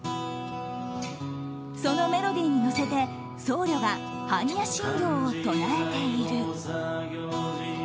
そのメロディーに乗せて僧侶が般若心経を唱えている。